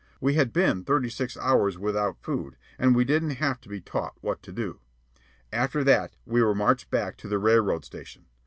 We had been thirty six hours without food, and we didn't have to be taught what to do. After that we were marched back to the railroad station.